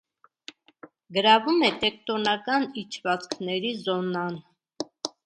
Գրավում է տեկտոնական իջվածքների զոնան։